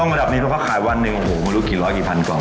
ระดับนี้เพราะเขาขายวันหนึ่งโอ้โหไม่รู้กี่ร้อยกี่พันกล่อง